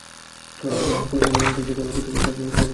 আমার এখানকার খোলা জায়গার সার স্বল্প সময়েই শেষ হবে বলে আশা করি।